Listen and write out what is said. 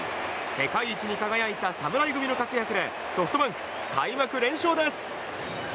世界一に輝いた侍組の活躍でソフトバンク、開幕連勝です。